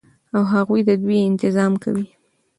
او هغوى ددوى انتظام كوي